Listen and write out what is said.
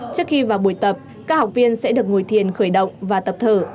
trước khi vào buổi tập các học viên sẽ được ngồi thiền khởi động và tập thở